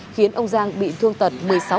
khiến ông giang bị thương tật một mươi sáu